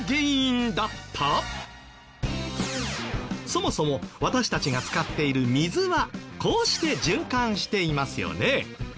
そもそも私たちが使っている水はこうして循環していますよね。